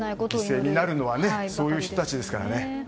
犠牲になるのはそういう人たちですからね。